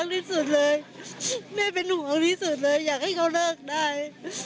บอกแม่รักที่สุดเลยแม่เป็นหนูของที่สุดเลยอยากให้เขาเลิกได้